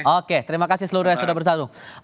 oke terima kasih seluruhnya sudah bersatu